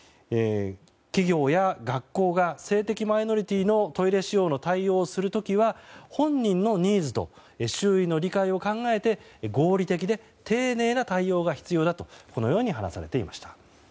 企業や学校が性的マイノリティーのトイレ使用の対応をする時は本人のニーズと周囲の理解を考えて合理的で丁寧な対応が必要だと話されていました。